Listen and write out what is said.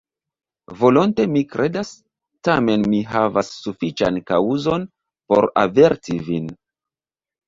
Volonte mi kredas; tamen mi havas sufiĉan kaŭzon, por averti vin.